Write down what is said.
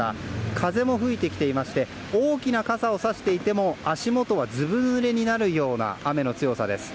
風も吹いてきていまして大きな傘をさしていても足元はずぶぬれになるような雨の強さです。